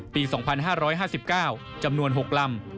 ปี๒๕๕๙จำนวน๖ลำ